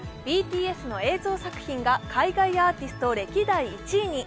ＢＴＳの映像作品が海外アーティスト歴代１位に。